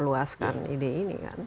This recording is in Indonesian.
luaskan ide ini kan